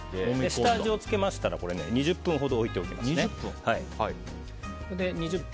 下味を付けましたら２０分ほど置いておきます。